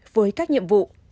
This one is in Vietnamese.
với các nhiệm vụ